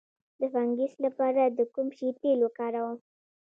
د فنګس لپاره د کوم شي تېل وکاروم؟